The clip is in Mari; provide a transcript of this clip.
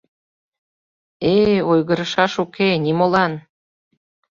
Э-э, ойгырышаш уке, нимолан!